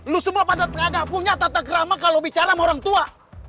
lu semua pada tengah punya tata kerama kalau bicara sama orang tua